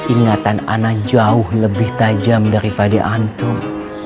ingatan ana jauh lebih tajam dari fadih antum